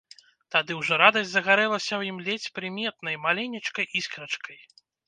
Тады ўжо радасць загарэлася ў ім ледзь прыметнай маленечкай іскрачкай.